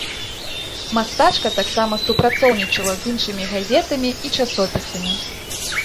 Мастачка таксама супрацоўнічала з іншымі газетамі і часопісамі.